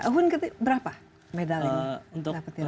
owen berapa medal yang mendapat di ronde